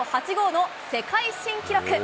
８５の世界新記録。